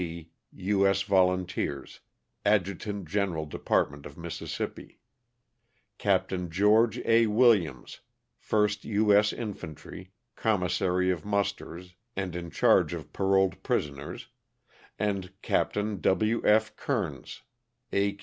G., U. S. Volunteers, adjutant general department of Mississippi ; Capt. Geo. A. Williams, 1st U. S. Infantry, commissary of musters, and in charge of paroled prisoners, and Capt. W. F. Kernes, A.